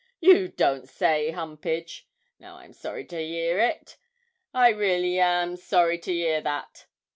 'You don't say so, Humpage? Now I'm sorry to year it; I really am sorry to year that!